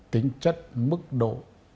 tính chất mức độ